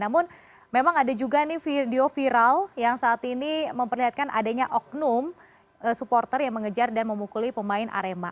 namun memang ada juga nih video viral yang saat ini memperlihatkan adanya oknum supporter yang mengejar dan memukuli pemain arema